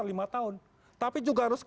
lima tahun tapi juga harus